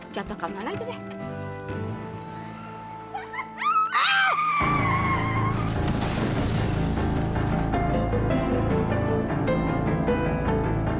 jatuh kemana itu deh